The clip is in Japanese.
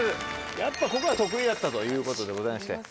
やっぱここは得意だったということでございまして。